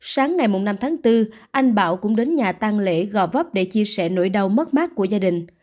sáng ngày năm tháng bốn anh bảo cũng đến nhà tăng lễ gò vấp để chia sẻ nỗi đau mất mát của gia đình